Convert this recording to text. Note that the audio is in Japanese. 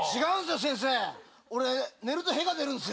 俺寝るとへが出るんすよ。